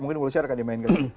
mungkin wiltshire akan dimainkan